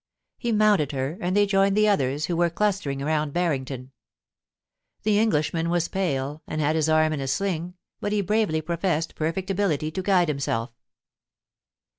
He mounted her, and they joined the others, who were clustering round Barringtoa The Englishman was pale, and had his arm in a sling, but he bravely professed perfect ability to guide himself.